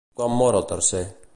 Quan mor el tercer?